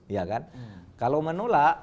ya kan kalau menolak